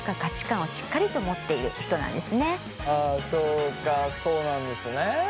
あそうかそうなんですね。